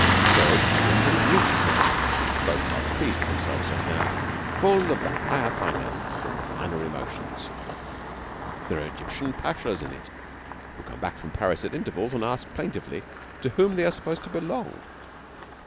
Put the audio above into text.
There are Italians and Greeks in it (both rather pleased with themselves just now), full of the higher finance and the finer emotions. There are Egyptian pashas in it, who come back from Paris at intervals and ask plaintively to whom they are supposed to belong.